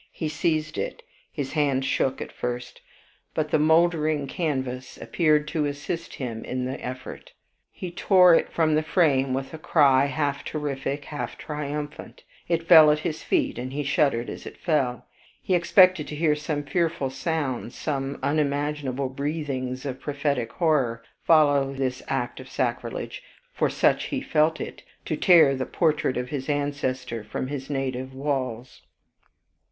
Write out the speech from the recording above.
He seized it; his hand shook at first, but the moldering canvas appeared to assist him in the effort. He tore it from the frame with a cry half terrific, half triumphant, it fell at his feet, and he shuddered as it fell. He expected to hear some fearful sounds, some unimaginable breathings of prophetic horror, follow this act of sacrilege, for such he felt it, to tear the portrait of his ancestor from his native walls.